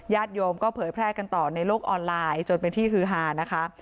โยมก็เผยแพร่กันต่อในโลกออนไลน์จนเป็นที่ฮือฮานะคะ